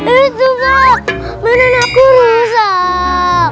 itu kok mainan aku rusak